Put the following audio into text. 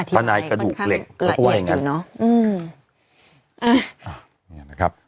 อธิบายค่อนข้างเกลือเอียดอยู่นะ